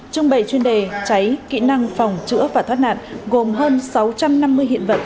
trưng bày chuyên đề cháy kỹ năng phòng chữa và thoát nạn gồm hơn sáu trăm năm mươi hiện vật